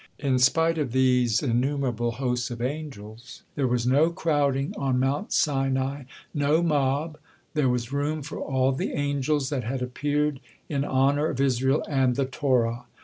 In spite of these innumerable hosts of angels there was no crowding on Mount Sinai, no mob, there was room for all the angels that had appeared in honor of Israel and the Torah.